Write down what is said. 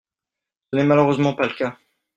Ce n’est malheureusement pas le cas.